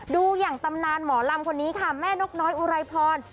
ดูอย่างตำนานหมอลำคนนี้ค่ะแม่นกน้อยอุไรพร